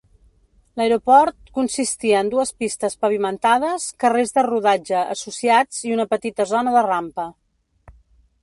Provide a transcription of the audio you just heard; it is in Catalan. L'aeroport consistia en dues pistes pavimentades, carrers de rodatge associats i una petita zona de rampa.